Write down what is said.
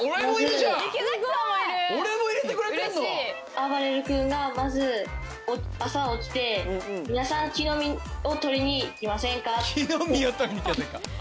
あばれる君がまず朝起きて「皆さん木の実を取りに行きませんか」。